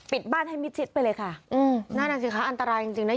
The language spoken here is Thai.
ปิดบ้านให้มิจิตรไปเลยค่ะอืมน่านะสิคะอันตรายจริงนะ